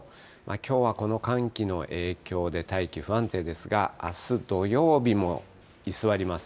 きょうはこの寒気の影響で、大気不安定ですが、あす土曜日も居座ります。